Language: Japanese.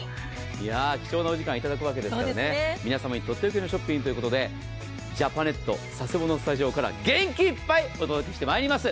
貴重なお時間いただくわけですから、皆さまにとっておきのショッピングということで、ジャパネット佐世保のスタジオから元気いっぱいお届けしてまいります。